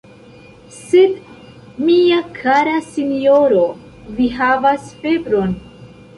Sed, mia kara sinjoro, vi havas febron!